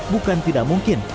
bukan tidak mungkin